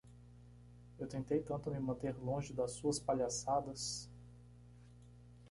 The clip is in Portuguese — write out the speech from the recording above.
Eu tentei tanto me manter longe das suas palhaçadas.